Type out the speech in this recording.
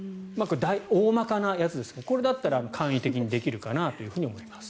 大まかなやつですがこれだったら簡易的にできるかなと思います。